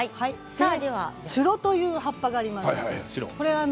シュロという葉っぱがあります。